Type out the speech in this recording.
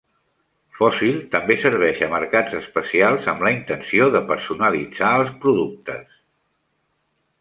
Fossil també serveix a mercats especials amb la intenció de personalitzat els productes.